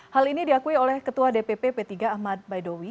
hal ini diakui oleh ketua dpp p tiga ahmad baidowi